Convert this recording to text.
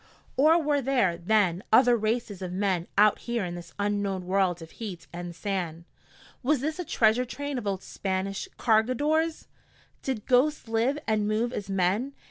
Or were there, then, other races of men out here in this unknown world of heat and sand? Was this a treasure train of old Spanish cargadores? Did ghosts live and move as men?